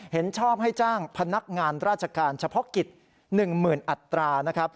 เห็นชอบให้จ้างพนักงานราชการเฉพาะกิจ๑๐๐๐อัตรานะครับ